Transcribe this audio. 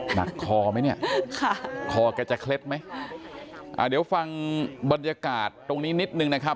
หนักคอไหมเนี่ยค่ะคอแกจะเคล็ดไหมอ่าเดี๋ยวฟังบรรยากาศตรงนี้นิดนึงนะครับ